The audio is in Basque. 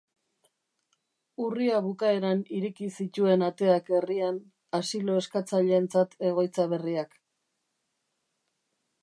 Urria bukaeran ireki zituen ateak herrian, asilo-eskatzaileentzat egoitza berriak.